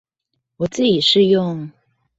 我自己是用